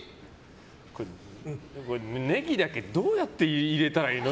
ネギだけ袋にどうやって入れたらいいの？